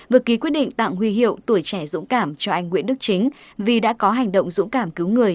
vừa ký quyết định tặng huy hiệu tuổi trẻ dũng cảm cho anh nguyễn đức chính vì đã có hành động dũng cảm cứu người